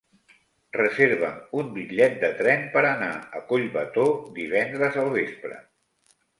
Reserva'm un bitllet de tren per anar a Collbató divendres al vespre.